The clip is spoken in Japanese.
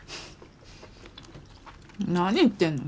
何言ってんの？